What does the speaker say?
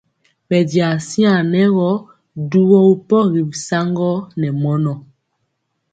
Bɛnja siaŋ nɛ gɔ duwɔ ri pɔgi saŋgɔ ne mɔnɔ.